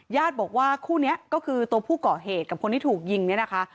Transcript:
ญาติบอกว่าคู่นี้ก็คือตัวผู้ก่อเหตุกับคนที่ถูกยิงเนี่ยนะคะ